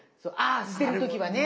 あ捨てる時はね。